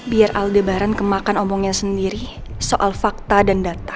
biar aldebaran kemakan omongnya sendiri soal fakta dan data